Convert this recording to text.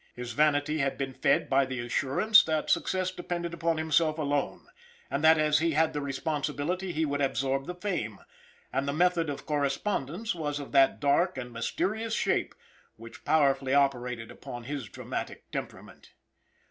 His vanity had been fed by the assurance that success depended upon himself alone, and that as he had the responsibility he would absorb the fame; and the method of correspondence was of that dark and mysterious shape which powerfully operated upon his dramatic temperament.